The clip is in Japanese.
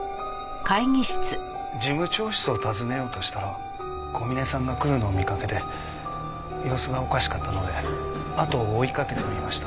事務長室を訪ねようとしたら小嶺さんが来るのを見かけて様子がおかしかったのであとを追いかけてみました。